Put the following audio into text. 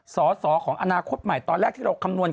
สอสอของอนาคตใหม่ตอนแรกที่เราคำนวณ